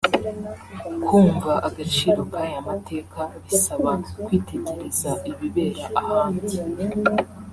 Kumva agaciro k’aya mateka bisaba kwitegereza ibibera ahandi